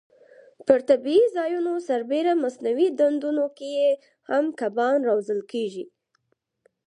پر طبیعي ځایونو سربېره مصنوعي ډنډونو کې هم کبان روزل کېږي.